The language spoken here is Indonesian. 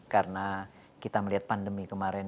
karena kita melihat pandemi kemarin